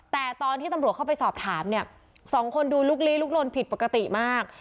แต่ตอนที่ตำรวจเข้าไปสอบถามเนี่ยสองคนดูลุกลี้ลุกลนผิดปกติมาก